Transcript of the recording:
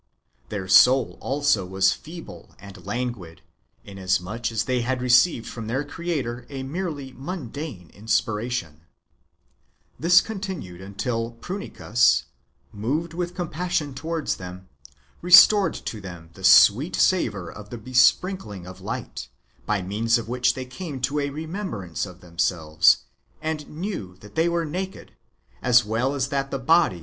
Their soul also was feeble and languid, inasmuch as they had received from their creator a merely mundane inspiration. This continued until Prunicus, moved with compassion towards them, restored to them the sweet savour of the besprinkling of light, by means of which they came to a remembrance of themselves, and knew that they were naked, as well as that the body was a ^ There is constant reference in this section to rabbinical conceits and follies.